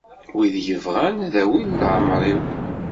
Wid yebɣan ad awin leεmer-iw.